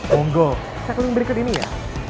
monggo check link berikut ini ya